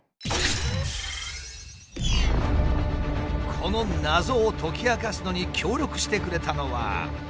この謎を解き明かすのに協力してくれたのは。